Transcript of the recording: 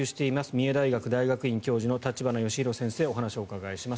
三重大学大学院教授の立花義裕先生にお話を伺います。